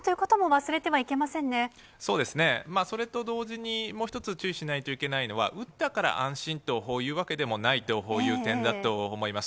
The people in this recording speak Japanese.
それぞれと同時に、もう一つ注意しないといけないのは、打ったから安心というわけでもないという点だと思います。